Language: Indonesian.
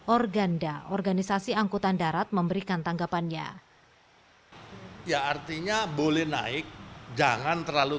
organda organisasi angkutan darat memberikan tanggapannya ya artinya boleh naik jangan terlalu